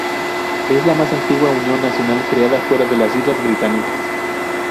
Es la más antigua unión nacional creada fuera de las Islas Británicas.